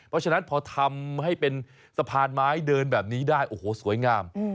เพราะฉะนั้นพอทำให้เป็นสะพานไม้เดินแบบนี้ได้โอ้โหสวยงาม